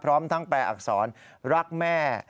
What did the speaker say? พร้อมทั้งแปลอักษรรักแม่